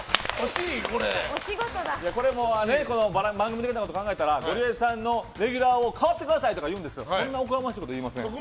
番組のこと考えたらゴリエさんのレギュラーを代わってくださいとか言うんですけどそんなおこがましいことは言いません。